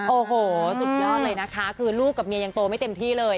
โอ้โหสุดยอดเลยนะคะคือลูกกับเมียยังโตไม่เต็มที่เลย